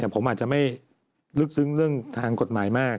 ผมอาจจะไม่ลึกซึ้งเรื่องทางกฎหมายมาก